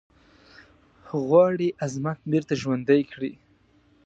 غواړي عظمت بیرته ژوندی کړی.